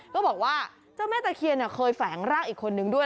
บอกว่าเจ้าแม่ตะเคียนเคยแฝงร่างอีกคนนึงด้วย